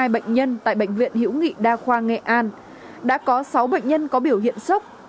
một trăm ba mươi hai bệnh nhân tại bệnh viện hiễu nghị đa khoa nghệ an đã có sáu bệnh nhân có biểu hiện sốc